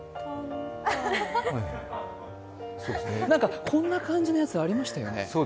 なんかこんな感じのやつありましたよね？